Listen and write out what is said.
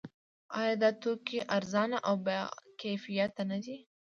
آیا دا توکي ارزانه او باکیفیته نه دي؟